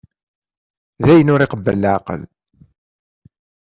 D ayen ur iqebbel leεqel.